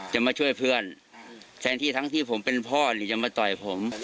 จะมาช่วยเพื่อนแทนที่ทั้งที่ผมเป็นพ่อหรือจะมาต่อยผม